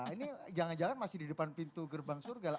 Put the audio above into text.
nah ini jangan jangan masih di depan pintu gerbang surga